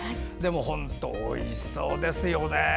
本当においしそうですよね。